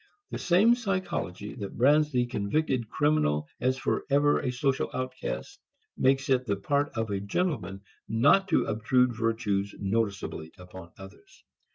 The same psychology that brands the convicted criminal as forever a social outcast makes it the part of a gentleman not to obtrude virtues noticeably upon others.